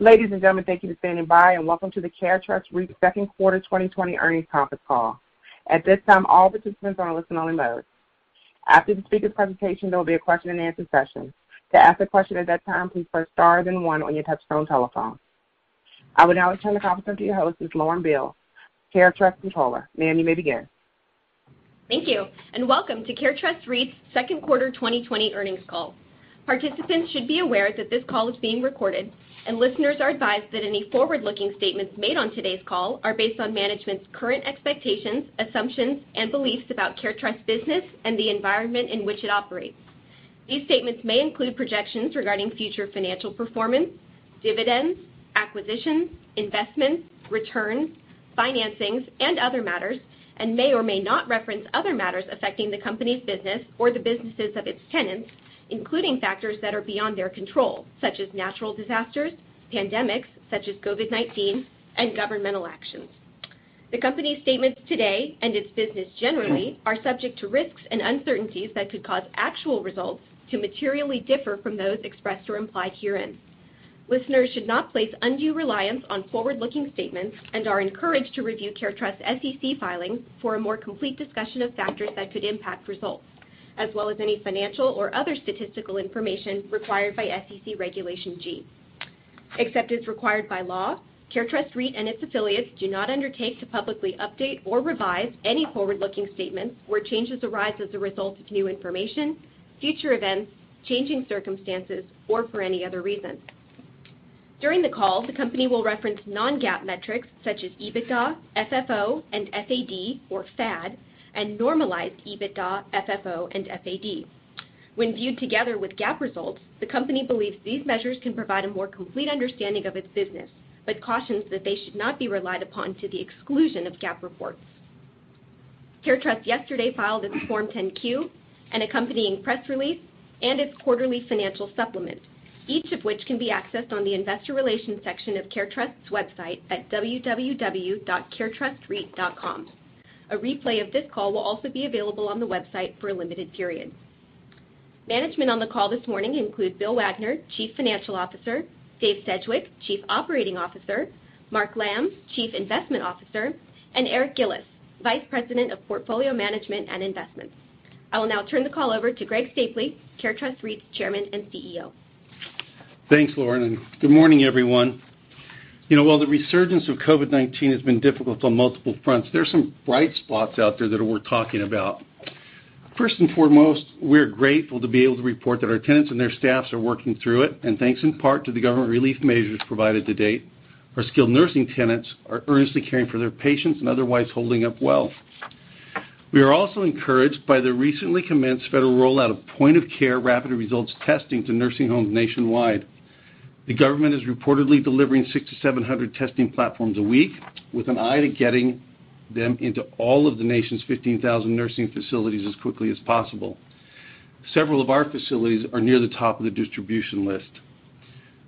Ladies and gentlemen, thank you for standing by, and welcome to the CareTrust REIT Second Quarter 2020 Earnings Conference Call. At this time, all participants are in listen-only mode. After the speaker presentation, there will be a question-and-answer session. To ask a question at that time, please press star then one on your touchtone telephone. I would now like to turn the conference over to your hostess, Lauren Beale, CareTrust Controller. Ma'am, you may begin. Thank you, and welcome to CareTrust REIT's Second Quarter 2020 Earnings Call. Participants should be aware that this call is being recorded, and listeners are advised that any forward-looking statements made on today's call are based on management's current expectations, assumptions, and beliefs about CareTrust's business and the environment in which it operates. These statements may include projections regarding future financial performance, dividends, acquisitions, investments, returns, financings, and other matters, and may or may not reference other matters affecting the company's business or the businesses of its tenants, including factors that are beyond their control, such as natural disasters, pandemics, such as COVID-19, and governmental actions. The company's statements today and its business generally are subject to risks and uncertainties that could cause actual results to materially differ from those expressed or implied herein. Listeners should not place undue reliance on forward-looking statements and are encouraged to review CareTrust's SEC filings for a more complete discussion of factors that could impact results, as well as any financial or other statistical information required by SEC Regulation G. Except as required by law, CareTrust REIT and its affiliates do not undertake to publicly update or revise any forward-looking statements where changes arise as a result of new information, future events, changing circumstances, or for any other reason. During the call, the company will reference non-GAAP metrics such as EBITDA, FFO, and FAD, or FAD, and normalized EBITDA, FFO, and FAD. When viewed together with GAAP results, the company believes these measures can provide a more complete understanding of its business, but cautions that they should not be relied upon to the exclusion of GAAP reports. CareTrust yesterday filed its Form 10-Q and accompanying press release and its quarterly financial supplement, each of which can be accessed on the investor relations section of CareTrust's website at www.caretrustreit.com. A replay of this call will also be available on the website for a limited period. Management on the call this morning include Bill Wagner, Chief Financial Officer, Dave Sedgwick, Chief Operating Officer, Mark Lamb, Chief Investment Officer, and Eric Gillis, Vice President of Portfolio Management and Investments. I will now turn the call over to Greg Stapley, CareTrust REIT's Chairman and CEO. Thanks, Lauren, and good morning, everyone. While the resurgence of COVID-19 has been difficult on multiple fronts, there are some bright spots out there that are worth talking about. First and foremost, we are grateful to be able to report that our tenants and their staffs are working through it. Thanks in part to the government relief measures provided to date, our skilled nursing tenants are earnestly caring for their patients and otherwise holding up well. We are also encouraged by the recently commenced federal rollout of point-of-care rapid results testing to nursing homes nationwide. The government is reportedly delivering 600 to 700 testing platforms a week, with an eye to getting them into all of the nation's 15,000 nursing facilities as quickly as possible. Several of our facilities are near the top of the distribution list.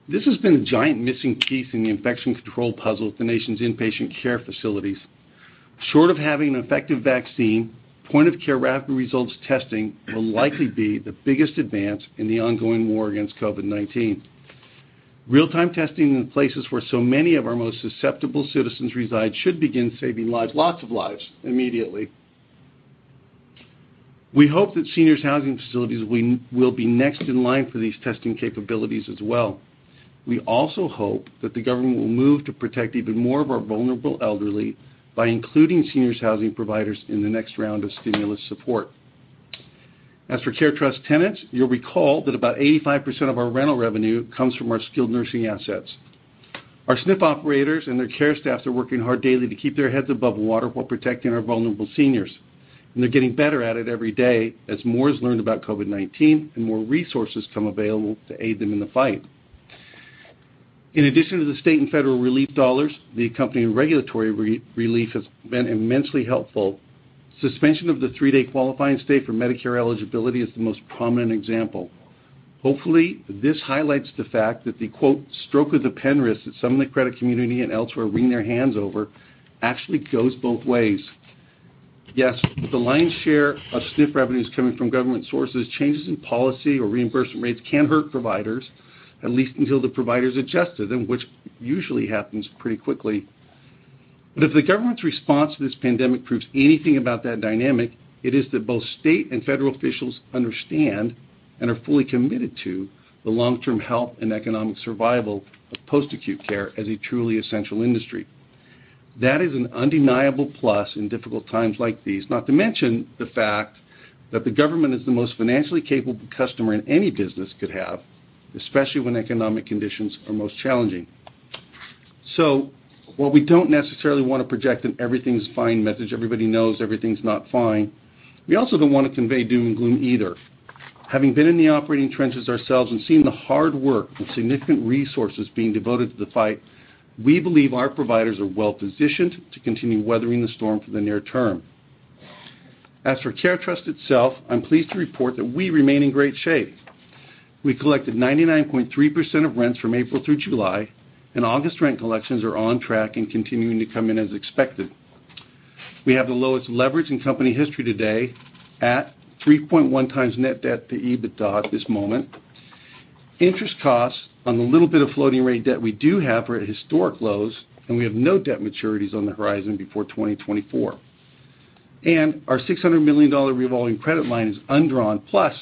This has been a giant missing piece in the infection control puzzle at the nation's inpatient care facilities. Short of having an effective vaccine, point-of-care rapid results testing will likely be the biggest advance in the ongoing war against COVID-19. Real-time testing in places where so many of our most susceptible citizens reside should begin saving lives, lots of lives, immediately. We hope that seniors housing facilities will be next in line for these testing capabilities as well. We also hope that the government will move to protect even more of our vulnerable elderly by including seniors housing providers in the next round of stimulus support. As for CareTrust tenants, you'll recall that about 85% of our rental revenue comes from our skilled nursing assets. Our SNF operators and their care staffs are working hard daily to keep their heads above water while protecting our vulnerable seniors, and they're getting better at it every day as more is learned about COVID-19 and more resources come available to aid them in the fight. In addition to the state and federal relief dollars, the accompanying regulatory relief has been immensely helpful. Suspension of the three-day qualifying stay for Medicare eligibility is the most prominent example. Hopefully, this highlights the fact that the, quote, "stroke of the pen" risk that some of the credit community and elsewhere wring their hands over actually goes both ways. Yes, the lion's share of SNF revenue is coming from government sources. Changes in policy or reimbursement rates can hurt providers, at least until the provider's adjusted, and which usually happens pretty quickly. If the government's response to this pandemic proves anything about that dynamic, it is that both state and federal officials understand and are fully committed to the long-term health and economic survival of post-acute care as a truly essential industry. That is an undeniable plus in difficult times like these, not to mention the fact that the government is the most financially capable customer any business could have, especially when economic conditions are most challenging. While we don't necessarily want to project an everything's fine message, everybody knows everything's not fine, we also don't want to convey doom and gloom either. Having been in the operating trenches ourselves and seen the hard work and significant resources being devoted to the fight, we believe our providers are well-positioned to continue weathering the storm for the near term. As for CareTrust itself, I'm pleased to report that we remain in great shape. We collected 99.3% of rents from April through July, August rent collections are on track and continuing to come in as expected. We have the lowest leverage in company history today at 3.1x net debt to EBITDA at this moment. Interest costs on the little bit of floating rate debt we do have are at historic lows, and we have no debt maturities on the horizon before 2024. Our $600 million revolving credit line is undrawn, plus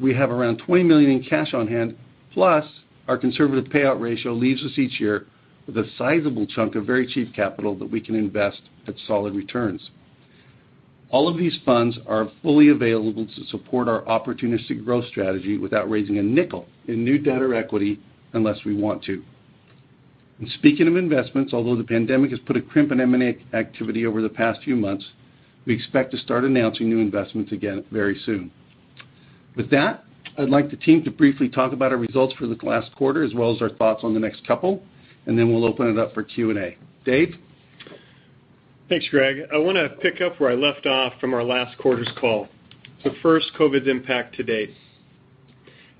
we have around $20 million in cash on hand, plus our conservative payout ratio leaves us each year with a sizable chunk of very cheap capital that we can invest at solid returns. All of these funds are fully available to support our opportunistic growth strategy without raising a nickel in new debt or equity unless we want to. Speaking of investments, although the pandemic has put a crimp in M&A activity over the past few months, we expect to start announcing new investments again very soon. With that, I'd like the team to briefly talk about our results for the last quarter as well as our thoughts on the next couple, and then we'll open it up for Q&A. Dave? Thanks, Greg. I want to pick up where I left off from our last quarter's call. First, COVID's impact to date.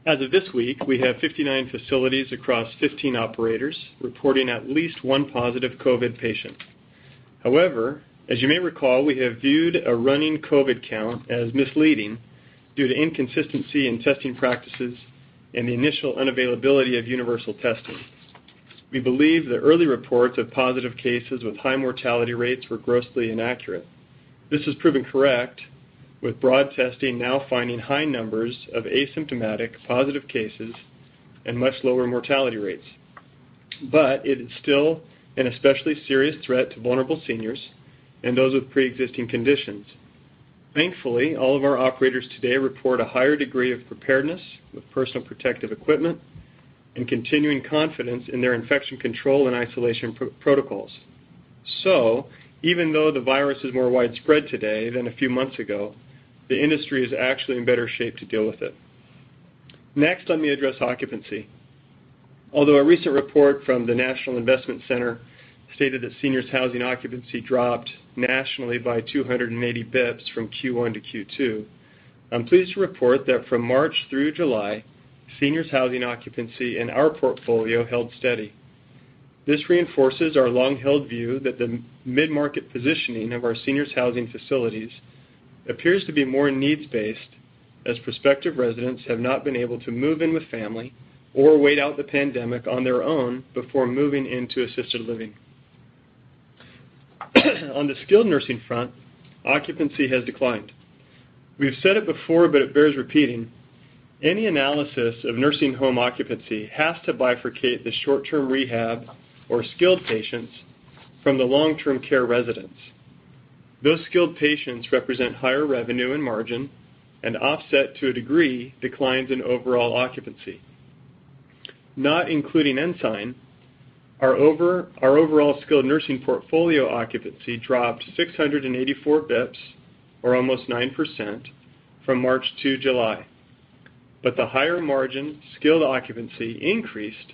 As of this week, we have 59 facilities across 15 operators reporting at least one positive COVID patient. However, as you may recall, we have viewed a running COVID count as misleading due to inconsistency in testing practices and the initial unavailability of universal testing. We believe the early reports of positive cases with high mortality rates were grossly inaccurate. This has proven correct with broad testing now finding high numbers of asymptomatic positive cases and much lower mortality rates. It is still an especially serious threat to vulnerable seniors and those with preexisting conditions. Thankfully, all of our operators today report a higher degree of preparedness with personal protective equipment and continuing confidence in their infection control and isolation protocols. Even though the virus is more widespread today than a few months ago, the industry is actually in better shape to deal with it. Let me address occupancy. Although a recent report from the National Investment Center stated that seniors housing occupancy dropped nationally by 280 basis points from Q1 to Q2, I'm pleased to report that from March through July, seniors housing occupancy in our portfolio held steady. This reinforces our long-held view that the mid-market positioning of our seniors housing facilities appears to be more needs-based, as prospective residents have not been able to move in with family or wait out the pandemic on their own before moving into assisted living. On the skilled nursing front, occupancy has declined. We've said it before, it bears repeating. Any analysis of nursing home occupancy has to bifurcate the short-term rehab or skilled patients from the long-term care residents. Those skilled patients represent higher revenue and margin and offset, to a degree, declines in overall occupancy. Not including Ensign, our overall skilled nursing portfolio occupancy dropped 684 basis points, or almost 9%, from March to July. The higher margin skilled occupancy increased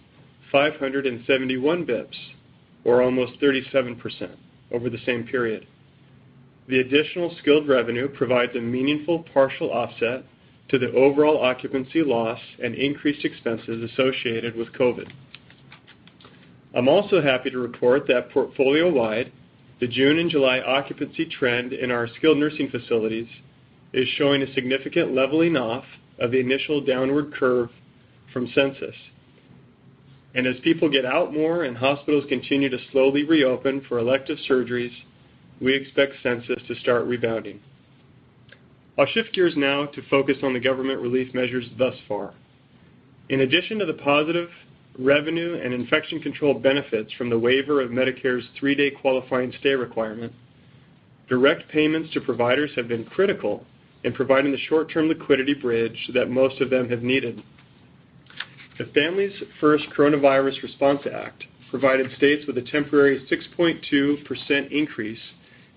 571 basis points, or almost 37%, over the same period. The additional skilled revenue provides a meaningful partial offset to the overall occupancy loss and increased expenses associated with COVID-19. I'm also happy to report that portfolio-wide, the June and July occupancy trend in our skilled nursing facilities is showing a significant leveling off of the initial downward curve from census. As people get out more and hospitals continue to slowly reopen for elective surgeries, we expect census to start rebounding. I'll shift gears now to focus on the government relief measures thus far. In addition to the positive revenue and infection control benefits from the waiver of Medicare's three-day qualifying stay requirement, direct payments to providers have been critical in providing the short-term liquidity bridge that most of them have needed. The Families First Coronavirus Response Act provided states with a temporary 6.2% increase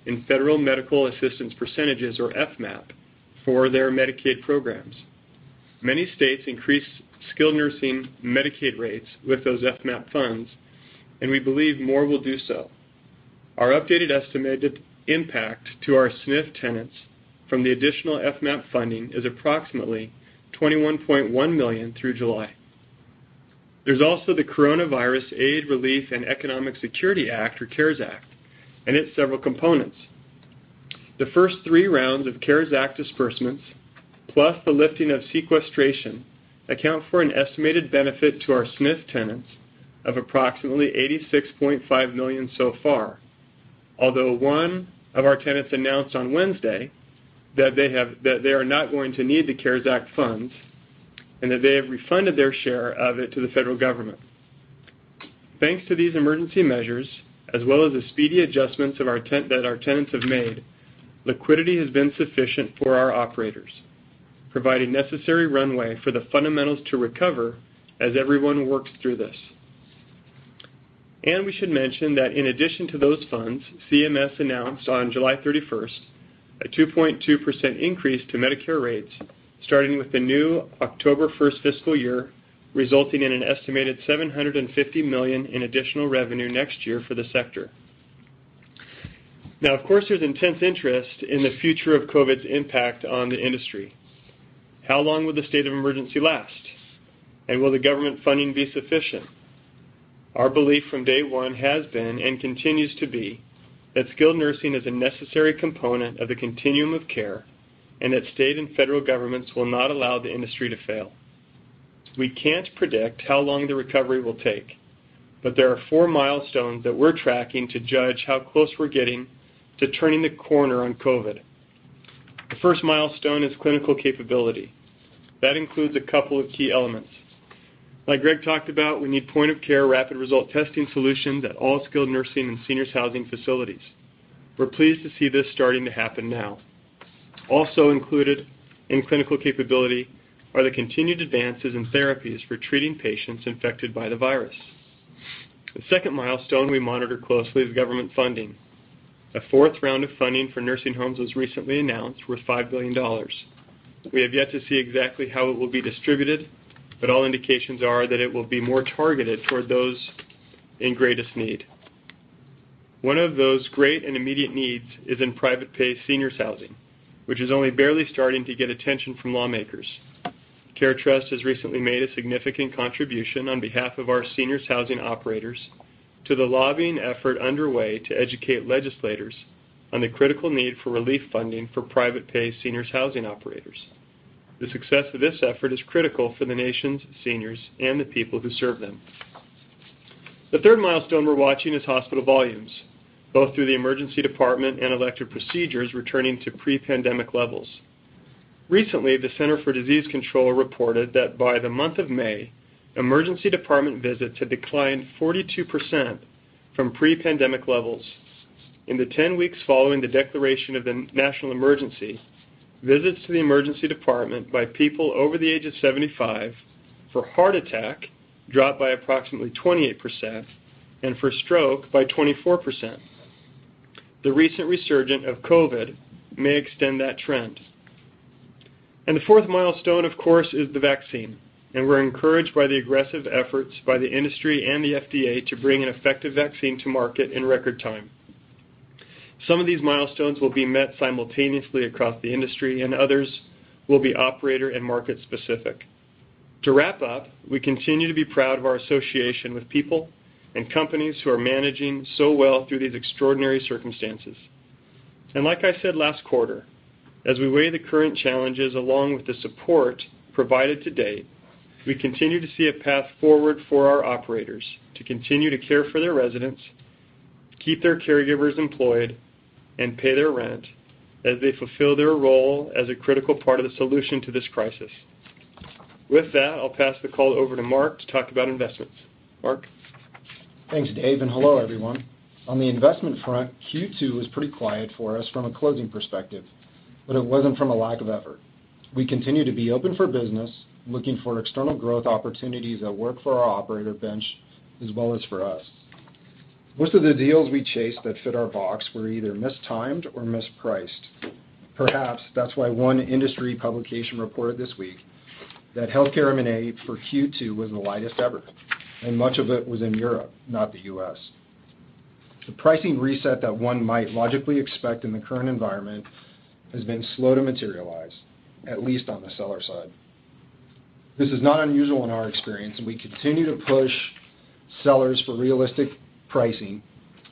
in Federal Medical Assistance Percentages, or FMAP, for their Medicaid programs. Many states increased skilled nursing Medicaid rates with those FMAP funds, and we believe more will do so. Our updated estimated impact to our SNF tenants from the additional FMAP funding is approximately $21.1 million through July. There's also the Coronavirus Aid, Relief, and Economic Security Act, or CARES Act, and its several components. The first three rounds of CARES Act disbursements, plus the lifting of sequestration, account for an estimated benefit to our SNF tenants of approximately $86.5 million so far, although one of our tenants announced on Wednesday that they are not going to need the CARES Act funds and that they have refunded their share of it to the federal government. Thanks to these emergency measures, as well as the speedy adjustments that our tenants have made, liquidity has been sufficient for our operators, providing necessary runway for the fundamentals to recover as everyone works through this. We should mention that in addition to those funds, CMS announced on July 31st a 2.2% increase to Medicare rates, starting with the new October 1st fiscal year, resulting in an estimated $750 million in additional revenue next year for the sector. Of course, there's intense interest in the future of COVID-19's impact on the industry. How long will the state of emergency last? Will the government funding be sufficient? Our belief from day one has been, and continues to be, that skilled nursing is a necessary component of the continuum of care, and that state and federal governments will not allow the industry to fail. We can't predict how long the recovery will take, but there are four milestones that we're tracking to judge how close we're getting to turning the corner on COVID-19. The first milestone is clinical capability. That includes a couple of key elements. Like Greg talked about, we need point-of-care, rapid-result testing solutions at all skilled nursing and seniors housing facilities. We're pleased to see this starting to happen now. Also included in clinical capability are the continued advances in therapies for treating patients infected by the virus. The second milestone we monitor closely is government funding. A fourth round of funding for nursing homes was recently announced worth $5 billion. We have yet to see exactly how it will be distributed, but all indications are that it will be more targeted toward those in greatest need. One of those great and immediate needs is in private pay seniors housing, which is only barely starting to get attention from lawmakers. CareTrust has recently made a significant contribution on behalf of our seniors housing operators to the lobbying effort underway to educate legislators on the critical need for relief funding for private pay seniors housing operators. The success of this effort is critical for the nation's seniors and the people who serve them. The third milestone we're watching is hospital volumes, both through the emergency department and elective procedures returning to pre-pandemic levels. Recently, the Centers for Disease Control reported that by the month of May, emergency department visits had declined 42% from pre-pandemic levels. In the 10 weeks following the declaration of the national emergency, visits to the emergency department by people over the age of 75 for heart attack dropped by approximately 28%, and for stroke by 24%. The recent resurgent of COVID may extend that trend. The fourth milestone, of course, is the vaccine, and we're encouraged by the aggressive efforts by the industry and the FDA to bring an effective vaccine to market in record time. Some of these milestones will be met simultaneously across the industry, and others will be operator and market specific. To wrap up, we continue to be proud of our association with people and companies who are managing so well through these extraordinary circumstances. Like I said last quarter, as we weigh the current challenges along with the support provided to date, we continue to see a path forward for our operators to continue to care for their residents, keep their caregivers employed, and pay their rent as they fulfill their role as a critical part of the solution to this crisis. With that, I'll pass the call over to Mark to talk about investments. Mark? Thanks, Dave, and hello, everyone. On the investment front, Q2 was pretty quiet for us from a closing perspective, but it wasn't from a lack of effort. We continue to be open for business, looking for external growth opportunities that work for our operator bench as well as for us. Most of the deals we chased that fit our box were either mistimed or mispriced. Perhaps that's why one industry publication reported this week that healthcare M&A for Q2 was the lightest ever, and much of it was in Europe, not the U.S. The pricing reset that one might logically expect in the current environment has been slow to materialize, at least on the seller side. This is not unusual in our experience, and we continue to push sellers for realistic pricing,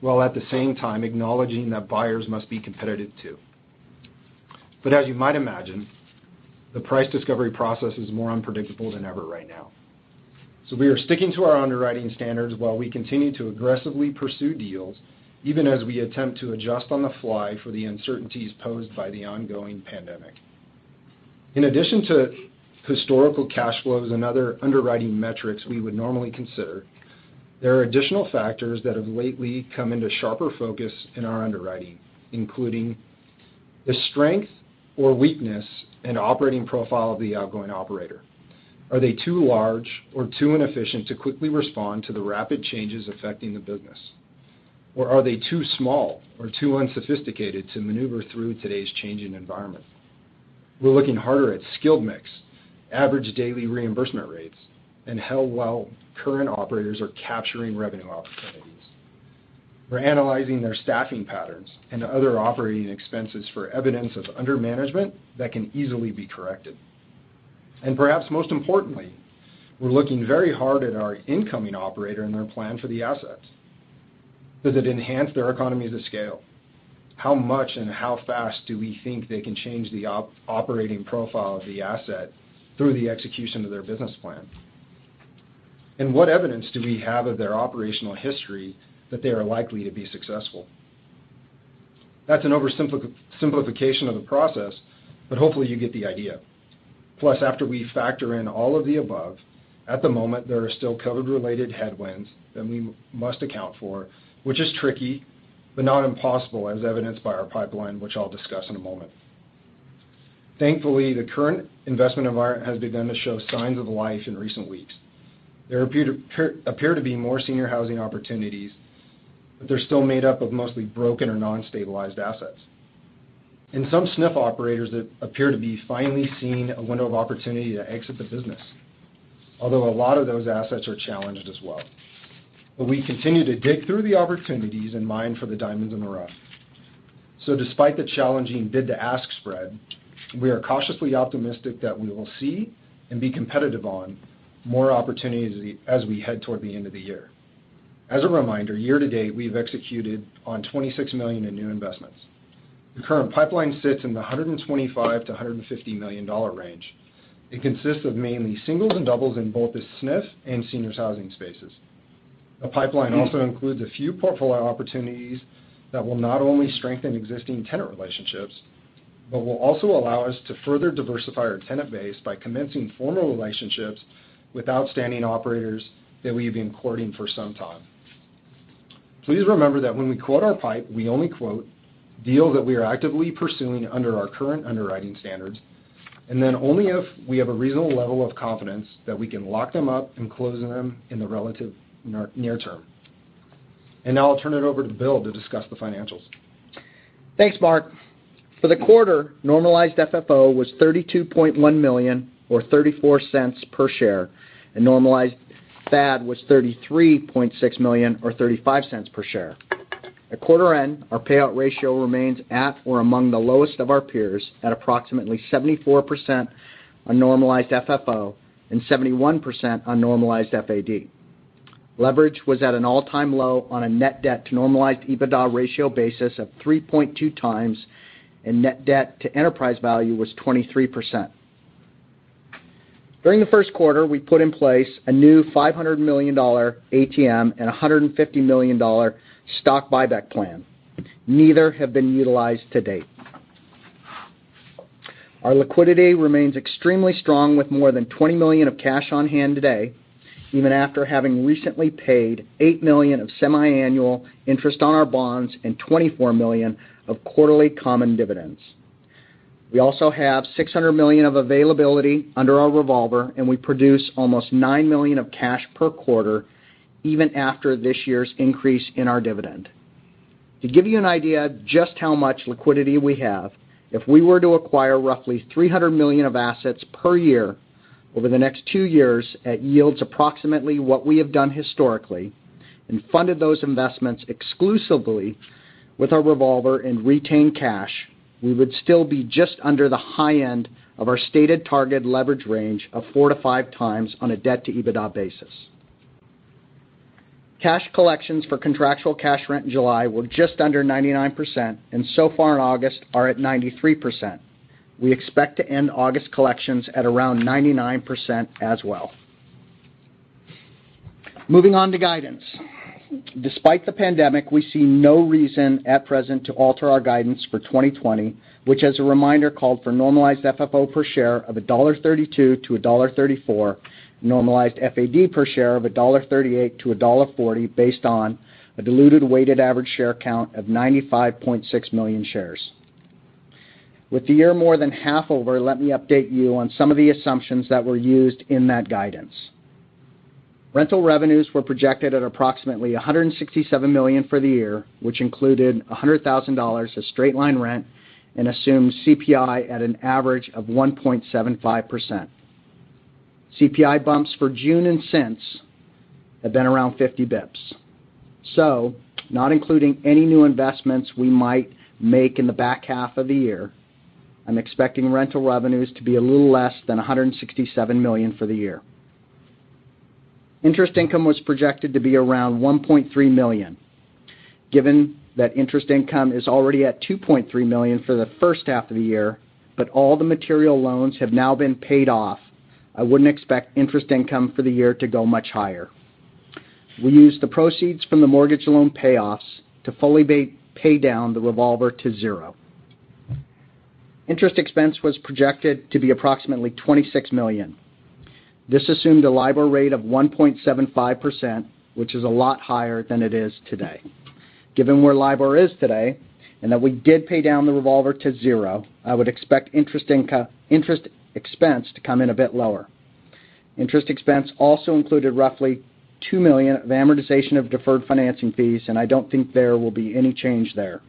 while at the same time acknowledging that buyers must be competitive, too. As you might imagine, the price discovery process is more unpredictable than ever right now. We are sticking to our underwriting standards while we continue to aggressively pursue deals, even as we attempt to adjust on the fly for the uncertainties posed by the ongoing pandemic. In addition to historical cash flows and other underwriting metrics we would normally consider, there are additional factors that have lately come into sharper focus in our underwriting, including the strength or weakness and operating profile of the outgoing operator. Are they too large or too inefficient to quickly respond to the rapid changes affecting the business? Are they too small or too unsophisticated to maneuver through today's changing environment? We're looking harder at skill mix, average daily reimbursement rates, and how well current operators are capturing revenue opportunities. We're analyzing their staffing patterns and other operating expenses for evidence of undermanagement that can easily be corrected. Perhaps most importantly, we're looking very hard at our incoming operator and their plan for the assets. Does it enhance their economies of scale? How much and how fast do we think they can change the operating profile of the asset through the execution of their business plan? What evidence do we have of their operational history that they are likely to be successful? That's an oversimplification of the process, but hopefully, you get the idea. After we factor in all of the above, at the moment, there are still COVID-related headwinds that we must account for, which is tricky, but not impossible, as evidenced by our pipeline, which I'll discuss in a moment. Thankfully, the current investment environment has begun to show signs of life in recent weeks. There appear to be more senior housing opportunities, they're still made up of mostly broken or non-stabilized assets. Some SNF operators that appear to be finally seeing a window of opportunity to exit the business, although a lot of those assets are challenged as well. We continue to dig through the opportunities and mine for the diamonds in the rough. Despite the challenging bid-to-ask spread, we are cautiously optimistic that we will see and be competitive on more opportunities as we head toward the end of the year. As a reminder, year to date, we've executed on $26 million in new investments. The current pipeline sits in the $125 million-$150 million range. It consists of mainly singles and doubles in both the SNF and seniors housing spaces. The pipeline also includes a few portfolio opportunities that will not only strengthen existing tenant relationships, but will also allow us to further diversify our tenant base by commencing formal relationships with outstanding operators that we've been courting for some time. Please remember that when we quote our pipe, we only quote deals that we are actively pursuing under our current underwriting standards, and then only if we have a reasonable level of confidence that we can lock them up and close them in the relative near term. Now I'll turn it over to Bill to discuss the financials. Thanks, Mark. For the quarter, normalized FFO was $32.1 million, or $0.34 per share, and normalized FAD was $33.6 million, or $0.35 per share. At quarter end, our payout ratio remains at or among the lowest of our peers at approximately 74% on normalized FFO and 71% on normalized FAD. Leverage was at an all-time low on a net debt to normalized EBITDA ratio basis of 3.2x, and net debt to enterprise value was 23%. During the first quarter, we put in place a new $500 million ATM and $150 million stock buyback plan. Neither have been utilized to date. Our liquidity remains extremely strong with more than $20 million of cash on hand today, even after having recently paid $8 million of semiannual interest on our bonds and $24 million of quarterly common dividends. We also have $600 million of availability under our revolver. We produce almost $9 million of cash per quarter even after this year's increase in our dividend. To give you an idea of just how much liquidity we have, if we were to acquire roughly $300 million of assets per year over the next two years at yields approximately what we have done historically, and funded those investments exclusively with our revolver and retained cash, we would still be just under the high end of our stated target leverage range of 4x to 5x on a debt-to-EBITDA basis. Cash collections for contractual cash rent in July were just under 99%. So far in August are at 93%. We expect to end August collections at around 99% as well. Moving on to guidance. Despite the pandemic, we see no reason at present to alter our guidance for 2020, which, as a reminder, called for normalized FFO per share of $1.32-$1.34, normalized FAD per share of $1.38-$1.40 based on a diluted weighted average share count of 95.6 million shares. With the year more than half over, let me update you on some of the assumptions that were used in that guidance. Rental revenues were projected at approximately $167 million for the year, which included $100,000 of straight line rent and assumed CPI at an average of 1.75%. CPI bumps for June and since have been around 50 basis points. Not including any new investments we might make in the back half of the year, I'm expecting rental revenues to be a little less than $167 million for the year. Interest income was projected to be around $1.3 million. Given that interest income is already at $2.3 million for the first half of the year, but all the material loans have now been paid off, I wouldn't expect interest income for the year to go much higher. We used the proceeds from the mortgage loan payoffs to fully pay down the revolver to zero. Interest expense was projected to be approximately $26 million. This assumed a LIBOR rate of 1.75%, which is a lot higher than it is today. Given where LIBOR is today, and that we did pay down the revolver to zero, I would expect interest expense to come in a bit lower. Interest expense also included roughly $2 million of amortization of deferred financing fees, and I don't think there will be any change there.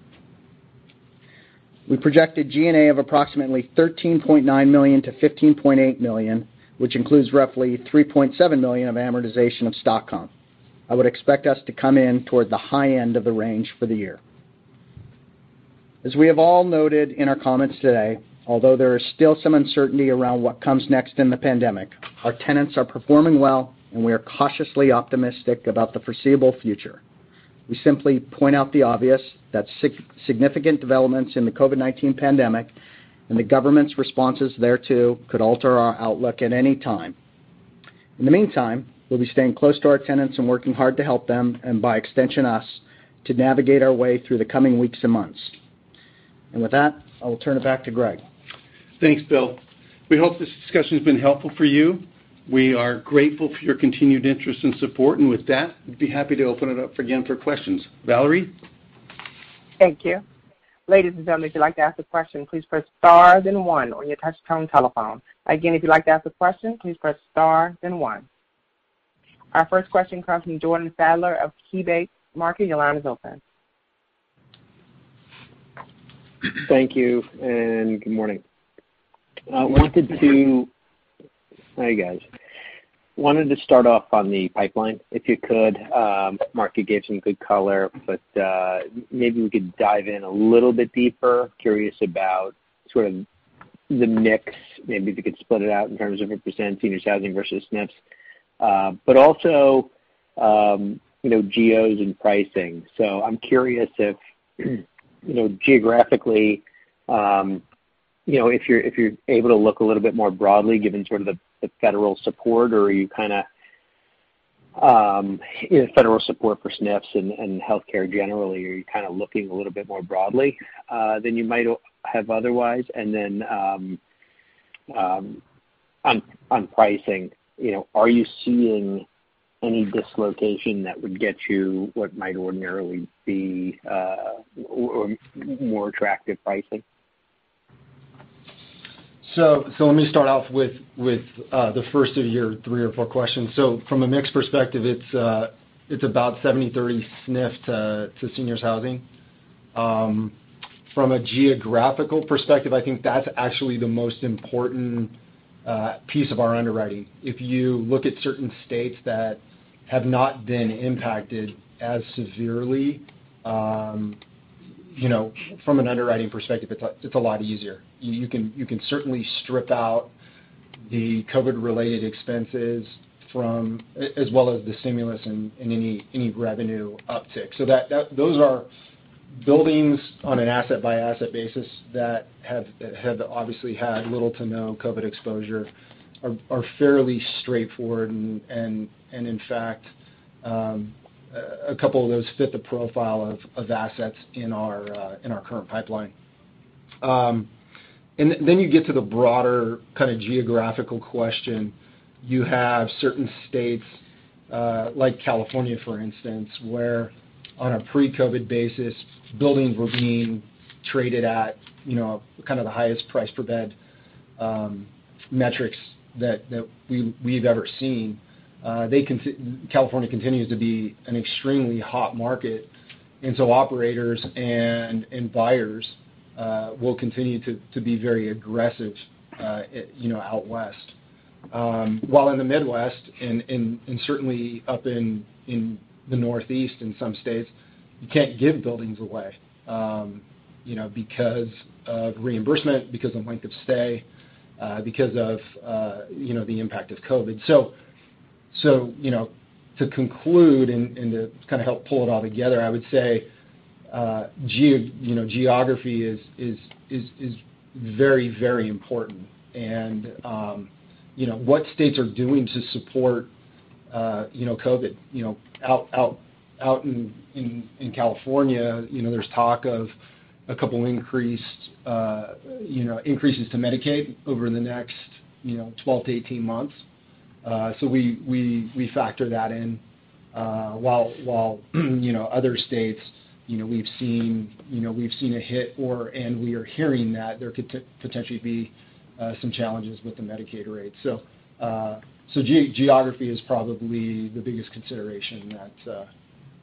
We projected G&A of approximately $13.9 million-$15.8 million, which includes roughly $3.7 million of amortization of stock comp. I would expect us to come in toward the high end of the range for the year. As we have all noted in our comments today, although there is still some uncertainty around what comes next in the pandemic, our tenants are performing well, and we are cautiously optimistic about the foreseeable future. We simply point out the obvious, that significant developments in the COVID-19 pandemic and the government's responses thereto could alter our outlook at any time. In the meantime, we'll be staying close to our tenants and working hard to help them, and by extension us, to navigate our way through the coming weeks and months. With that, I will turn it back to Greg. Thanks, Bill. We hope this discussion has been helpful for you. We are grateful for your continued interest and support. With that, we'd be happy to open it up again for questions. Valerie? Thank you. Ladies and gentlemen, if you'd like to ask a question, please press star then one on your touchtone telephone. Again, if you'd like to ask a question, please press star then one. Our first question comes from Jordan Sadler of KeyBanc Markets. Your line is open. Thank you, good morning. Hi, guys. Wanted to start off on the pipeline, if you could. Mark, you gave some good color, but maybe we could dive in a little bit deeper. Curious about sort of the mix. Maybe if you could split it out in terms of represent senior housing versus SNFs, but also geos and pricing. I'm curious if, geographically, if you're able to look a little bit more broadly given sort of the federal support, or are you kind of Federal support for SNFs and healthcare generally. Are you kind of looking a little bit more broadly than you might have otherwise? On pricing, are you seeing any dislocation that would get you what might ordinarily be more attractive pricing? Let me start off with the first of your three or four questions. From a mix perspective, it's about 70/30 SNF to seniors housing. From a geographical perspective, I think that's actually the most important piece of our underwriting. If you look at certain states that have not been impacted as severely, from an underwriting perspective, it's a lot easier. You can certainly strip out the COVID-related expenses, as well as the stimulus and any revenue uptick. Those are buildings on an asset-by-asset basis that have obviously had little to no COVID exposure, are fairly straightforward and in fact, a couple of those fit the profile of assets in our current pipeline. Then you get to the broader kind of geographical question. You have certain states, like California, for instance, where on a pre-COVID basis, buildings were being traded at kind of the highest price per bed metrics that we've ever seen. California continues to be an extremely hot market, and so operators and buyers will continue to be very aggressive out west. While in the Midwest and certainly up in the Northeast in some states, you can't give buildings away because of reimbursement, because of length of stay, because of the impact of COVID. To conclude and to kind of help pull it all together, I would say geography is very, very important. What states are doing to support COVID. Out in California, there's talk of a couple increases to Medicaid over the next 12 to 18 months. We factor that in, while other states we've seen a hit, and we are hearing that there could potentially be some challenges with the Medicaid rates. Geography is probably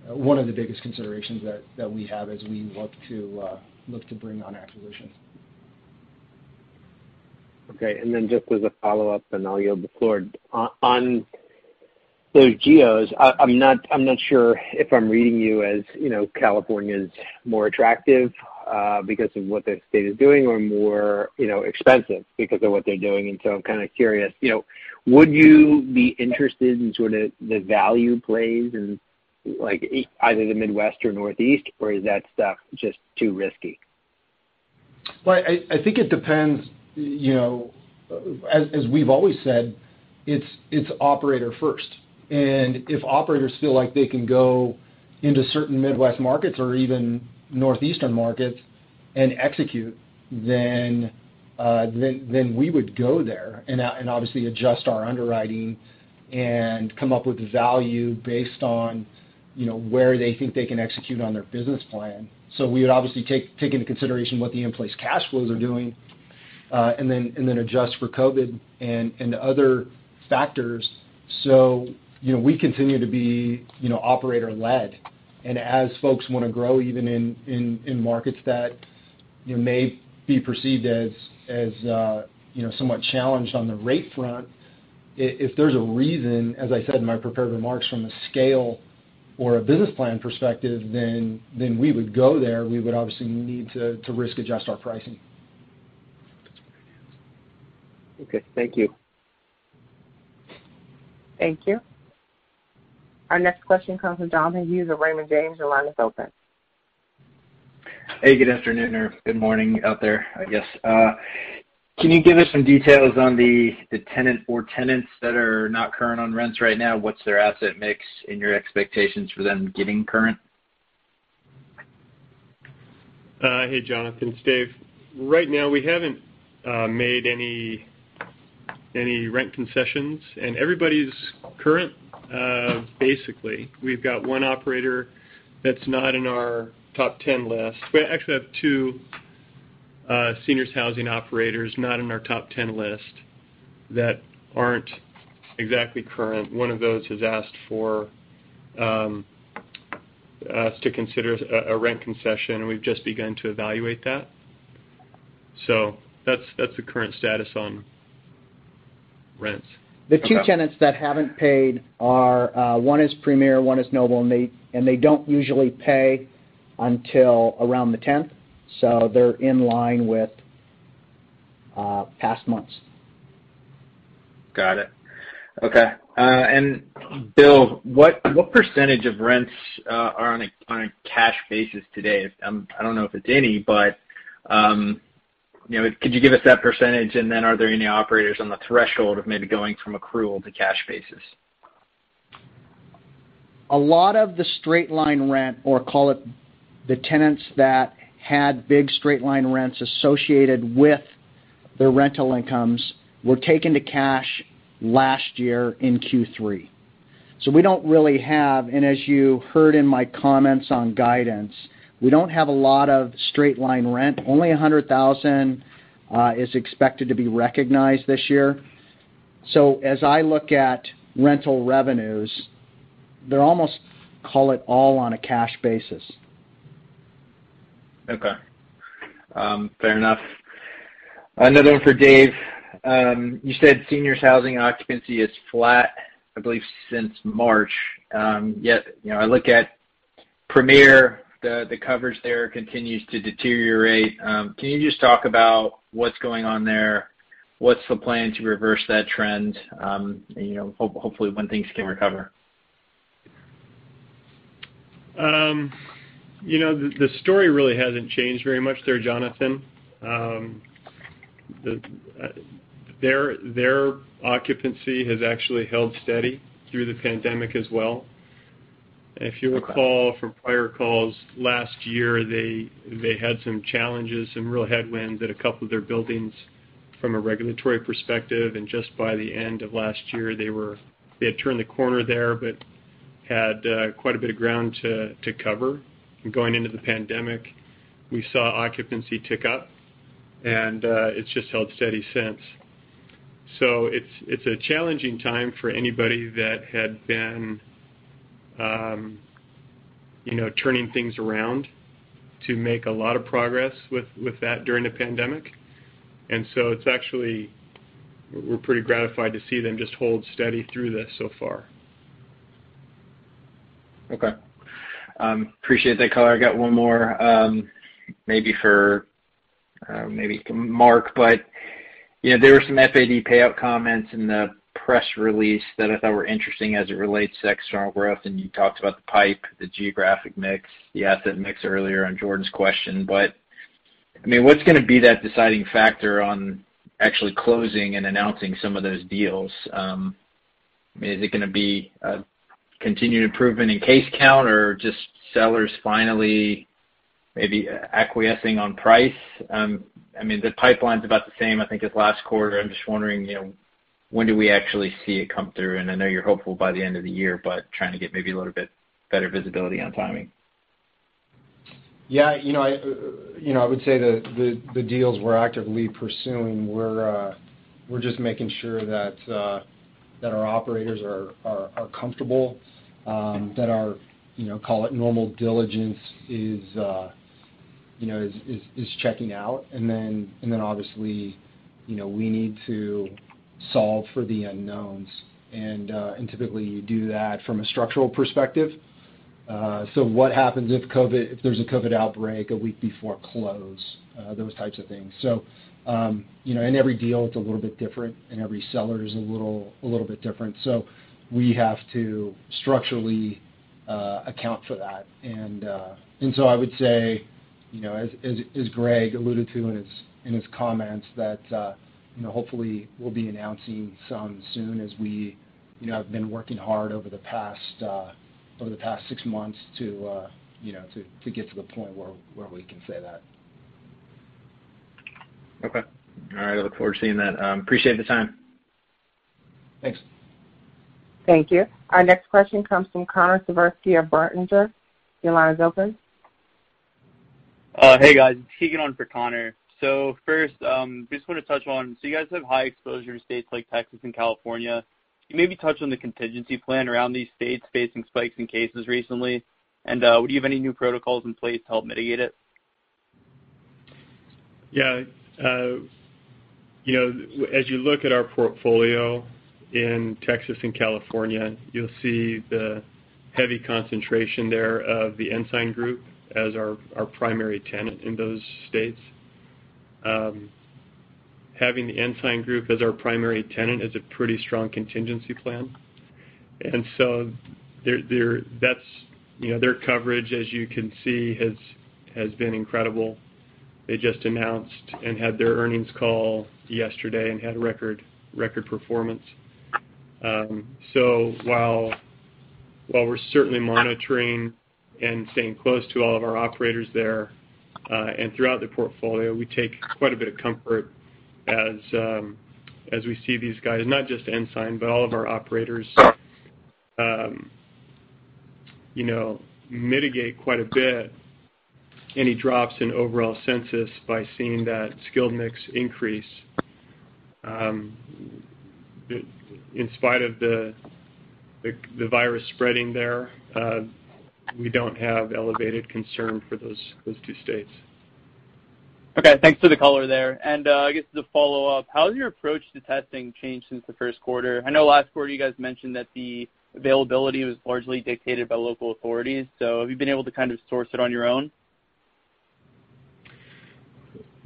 one of the biggest considerations that we have as we look to bring on acquisitions. Okay, just as a follow-up, I'll yield the floor. On those geos, I'm not sure if I'm reading you as California's more attractive because of what the state is doing or more expensive because of what they're doing. I'm kind of curious, would you be interested in sort of the value plays in either the Midwest or Northeast, or is that stuff just too risky? I think it depends. As we've always said, it's operator first, and if operators feel like they can go into certain Midwest markets or even Northeastern markets and execute, then we would go there and obviously adjust our underwriting and come up with value based on where they think they can execute on their business plan. We would obviously take into consideration what the in-place cash flows are doing, and then adjust for COVID and the other factors. We continue to be operator led, and as folks want to grow, even in markets that may be perceived as somewhat challenged on the rate front, if there's a reason, as I said in my prepared remarks, from a scale or a business plan perspective, then we would go there. We would obviously need to risk adjust our pricing. Okay. Thank you. Thank you. Our next question comes from Jonathan Hughes of Raymond James. Your line is open. Hey, good afternoon, or good morning out there, I guess. Can you give us some details on the tenant or tenants that are not current on rents right now? What's their asset mix and your expectations for them getting current? Hey, Jonathan, it's Dave. Right now, we haven't made any rent concessions, and everybody's current, basically. We've got one operator that's not in our top 10 list. We actually have two seniors housing operators not in our top 10 list that aren't exactly current. One of those has asked for us to consider a rent concession, and we've just begun to evaluate that. That's the current status on rents. The two tenants that haven't paid are, one is Premier, one is Noble. They don't usually pay until around the 10th. They're in line with past months. Got it. Okay. Bill, what percentage of rents are on a cash basis today? I don't know if it's any, but could you give us that percentage, and then are there any operators on the threshold of maybe going from accrual to cash basis? A lot of the straight line rent, or call it the tenants that had big straight line rents associated with their rental incomes, were taken to cash last year in Q3. We don't really have, and as you heard in my comments on guidance, we don't have a lot of straight line rent. Only $100,000 is expected to be recognized this year. As I look at rental revenues, they're almost, call it, all on a cash basis. Okay. Fair enough. Another one for Dave. You said seniors housing occupancy is flat, I believe, since March. Yet I look at Premier, the coverage there continues to deteriorate. Can you just talk about what's going on there? What's the plan to reverse that trend? Hopefully, when things can recover. The story really hasn't changed very much there, Jonathan. Their occupancy has actually held steady through the pandemic as well. If you recall from prior calls, last year, they had some challenges, some real headwinds at a couple of their buildings from a regulatory perspective, and just by the end of last year, they had turned the corner there but had quite a bit of ground to cover. Going into the pandemic, we saw occupancy tick up, and it's just held steady since. It's a challenging time for anybody that had been turning things around to make a lot of progress with that during the pandemic. Actually, we're pretty gratified to see them just hold steady through this so far. Okay. Appreciate that color. I got one more, maybe for Mark. There were some FAD payout comments in the press release that I thought were interesting as it relates to external growth, and you talked about the pipe, the geographic mix, the asset mix earlier on Jordan's question. What's going to be that deciding factor on actually closing and announcing some of those deals? Is it going to be a continued improvement in case count or just sellers finally maybe acquiescing on price? The pipeline's about the same, I think, as last quarter. I'm just wondering, when do we actually see it come through? I know you're hopeful by the end of the year, but trying to get maybe a little bit better visibility on timing. Yeah. I would say the deals we're actively pursuing, we're just making sure that our operators are comfortable, that our, call it, normal diligence is checking out. Then obviously, we need to solve for the unknowns. Typically, you do that from a structural perspective. So what happens if there's a COVID outbreak a week before close? Those types of things. So, in every deal, it's a little bit different, and every seller is a little bit different. So we have to structurally account for that. I would say, as Greg alluded to in his comments, that hopefully we'll be announcing some soon as we have been working hard over the past six months to get to the point where we can say that. Okay. All right. I look forward to seeing that. Appreciate the time. Thanks. Thank you. Our next question comes from Connor Siversky of Berenberg. Your line is open. Hey, guys. It's Keegan on for Connor. First, just want to touch on, so you guys have high exposure to states like Texas and California. Can you maybe touch on the contingency plan around these states facing spikes in cases recently? Would you have any new protocols in place to help mitigate it? Yeah. As you look at our portfolio in Texas and California, you'll see the heavy concentration there of The Ensign Group as our primary tenant in those states. Having The Ensign Group as our primary tenant is a pretty strong contingency plan. Their coverage, as you can see, has been incredible. They just announced and had their earnings call yesterday and had record performance. While we're certainly monitoring and staying close to all of our operators there and throughout the portfolio, we take quite a bit of comfort as we see these guys, not just Ensign, but all of our operators mitigate quite a bit any drops in overall census by seeing that skilled mix increase. In spite of the virus spreading there, we don't have elevated concern for those two states. Okay. Thanks for the color there. I guess as a follow-up, how has your approach to testing changed since the first quarter? I know last quarter you guys mentioned that the availability was largely dictated by local authorities. Have you been able to kind of source it on your own?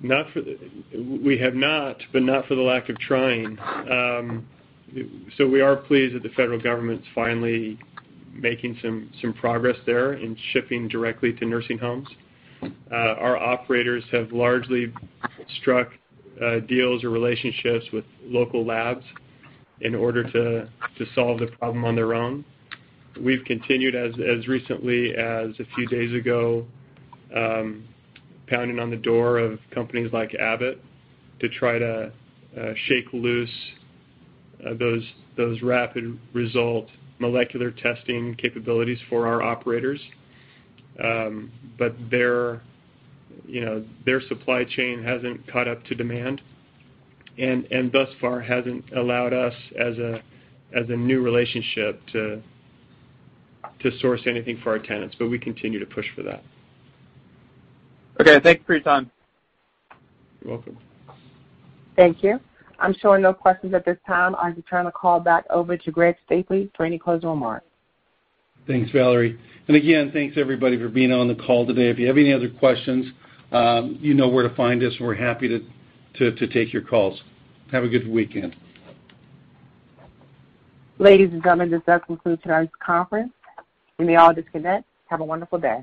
We have not, but not for the lack of trying. We are pleased that the federal government's finally making some progress there in shipping directly to nursing homes. Our operators have largely struck deals or relationships with local labs in order to solve the problem on their own. We've continued, as recently as a few days ago, pounding on the door of companies like Abbott to try to shake loose those rapid result molecular testing capabilities for our operators. Their supply chain hasn't caught up to demand, and thus far hasn't allowed us, as a new relationship, to source anything for our tenants. We continue to push for that. Okay. Thank you for your time. You're welcome. Thank you. I'm showing no questions at this time. I'll be turning the call back over to Greg Stapley for any closing remarks. Thanks, Valerie. Again, thanks, everybody, for being on the call today. If you have any other questions, you know where to find us, and we're happy to take your calls. Have a good weekend. Ladies and gentlemen, this does conclude today's conference. You may all disconnect. Have a wonderful day.